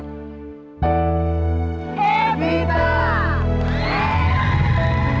contohnya pada kesempatan hari ini